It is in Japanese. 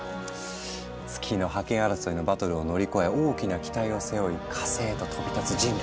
月の覇権争いのバトルを乗り越え大きな期待を背負い火星へと飛び立つ人類！